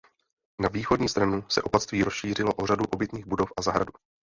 Na východní stranu se opatství rozšířilo o řadu obytných budov a zahradu.